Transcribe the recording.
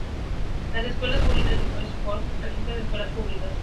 Las Escuelas Públicas de Palisades Park gestiona escuelas públicas.